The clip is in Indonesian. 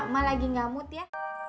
mak lagi gamut ya